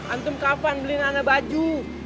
antum kapan beliin anda baju